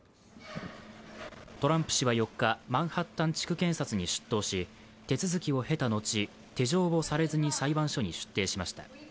トランプ氏は４日、マンハッタン地区検察に出頭し手続きを経た後、手錠をされずに裁判所に出廷しました。